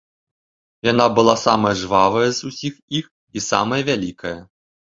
Яна была самая жвавая з усіх іх і самая вялікая.